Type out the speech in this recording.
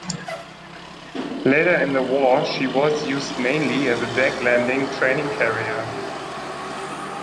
Later in the war she was used mainly as a deck-landing training carrier.